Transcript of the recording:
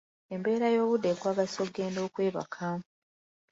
Embeera y'obudde ekwagazisa okugenda okwebaka.